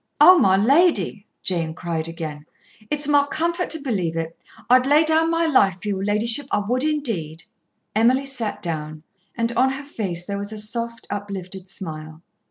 "Oh! my lady," Jane cried again, "it's my comfort to believe it. I'd lay down my life for your ladyship, I would indeed." Emily sat down, and on her face there was a soft, uplifted smile.